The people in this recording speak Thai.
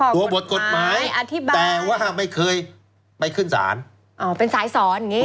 ตัวบทกฎหมายแต่ว่าไม่เคยไปขึ้นศาลอ๋อเป็นสายสอนอย่างนี้